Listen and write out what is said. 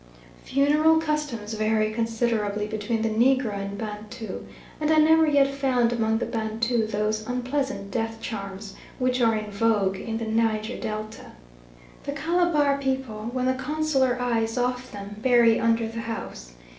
Funeral customs vary considerably between the Negro and Bantu, and I never yet found among the Bantu those unpleasant death charms which are in vogue in the Niger Delta. The Calabar people, when the Consular eye is off them, bury under the house.